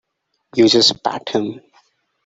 You just pat him.